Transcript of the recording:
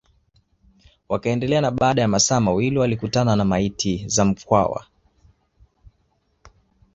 Wakaendelea na baada ya masaa mawili walikuta maiti za Mkwawa